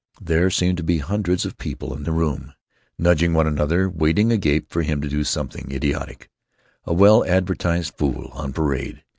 There seemed to be hundreds of people in the room, nudging one another, waiting agape for him to do something idiotic; a well advertised fool on parade.